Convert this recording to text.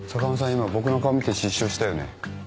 今僕の顔見て失笑したよね。